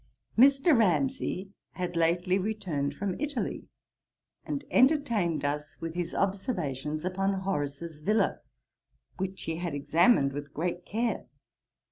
Mr. Ramsay had lately returned from Italy, and entertained us with his observations upon Horace's villa, which he had examined with great care.